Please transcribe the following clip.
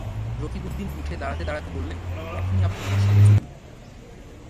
রকিবউদ্দিন উঠে দাঁড়াতে-দাঁড়াতে বললেন, এখন আপনি আমার সঙ্গে চলুন।